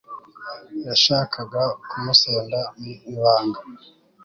yashakaga kumusenda mu ibanga